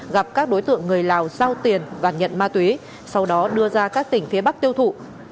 gặp các đối tượng người lào giao tiền và nhận ma túy sau đó đưa ra các tỉnh phía bắc tiêu thụ